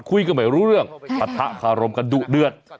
คุยกันไม่รู้เรื่องปะทะคารมกันดุเดือด